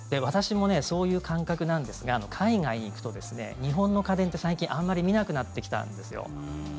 私もそういう感覚なんですが海外に行くと、日本の家電って最近、あまり見なくなってきたんですよ。